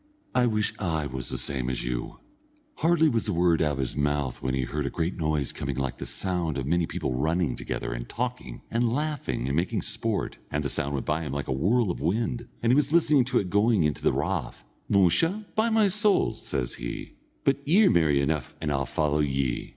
I wish I was the same as you." Hardly was the word out of his mouth when he heard a great noise coming like the sound of many people running together, and talking, and laughing, and making sport, and the sound went by him like a whirl of wind, and he was listening to it going into the rath. "Musha, by my soul," says he, "but ye're merry enough, and I'll follow ye."